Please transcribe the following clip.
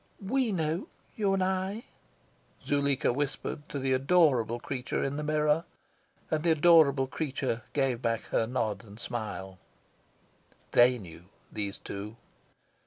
"WE know, you and I," Zuleika whispered to the adorable creature in the mirror; and the adorable creature gave back her nod and smile. THEY knew, these two.